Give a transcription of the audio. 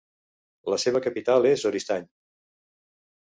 La seva capital és Oristany.